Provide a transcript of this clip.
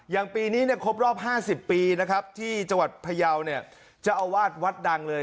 อย่างปีนี้เนี่ยครบรอบ๕๐ปีนะครับที่จังหวัดพยาวเนี่ยเจ้าอาวาสวัดดังเลย